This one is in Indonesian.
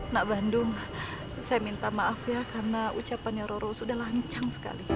nak bandung saya minta maaf ya karena ucapannya roro sudah lancang sekali